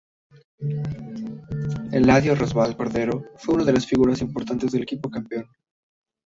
Eladio Rosabal Cordero, fue una de las figuras importantes del equipo campeón.